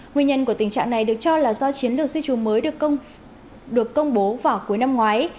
nguyên nhân của tình trạng này được cho là do chiến lược di trú mới được công bố vào cuối năm ngoái